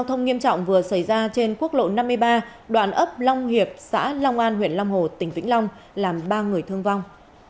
thông nghiêm trọng vừa xảy ra trên quốc lộ năm mươi ba đoạn ấp long hiệp xã long an huyện long hồ tỉnh vĩnh long làm ba người thương vong